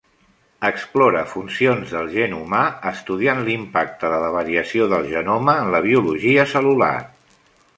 Explora funcions del gen humà estudiant l'impacte de la variació del genoma en la biologia cel·lular.